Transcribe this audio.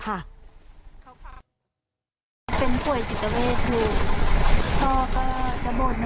เป็นป่วยจิตเวทย์เลย